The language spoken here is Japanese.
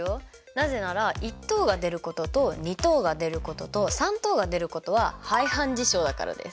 なぜなら一等が出ることと二等が出ることと三等が出ることは排反事象だからです。